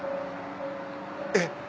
えっ？